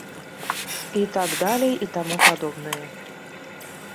І так далей і таму падобнае.